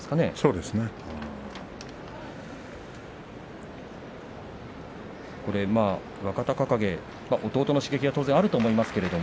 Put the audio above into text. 弟の若隆景の刺激は当然あると思いますけれど。